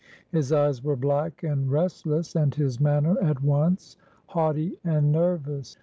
His eyes were black and restless, and his manner at once haughty and nervous.